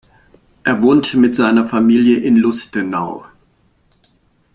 Er wohnt mit seiner Familie in Lustenau.